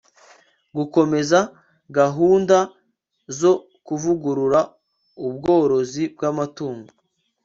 gukomeza gahunda zo kuvugurura ubworozi bw'amatungo